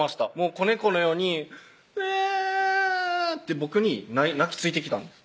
子猫のように「うわん」って僕に泣きついてきたんです